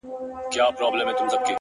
زه مي د ميني په نيت وركړمه زړه _